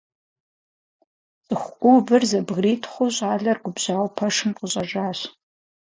Цӏыху ӏувыр зэбгритхъуу, щӏалэр губжьауэ пэшым къыщӀэжащ.